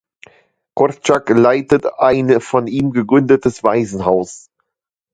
Korczak leitet ein von ihm gegründetes Waisenhaus.